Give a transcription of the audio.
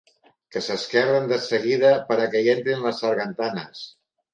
Que s'esquerden des seguida pera que hi entrin les sargantanes